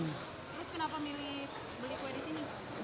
terus kenapa milih beli kue di sini